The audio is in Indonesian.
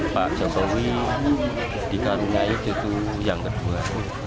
pak jokowi dikandungnya itu yang kedua